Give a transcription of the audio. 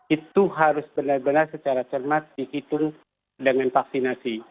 itu harus benar benar secara cermat dihitung dengan vaksinasi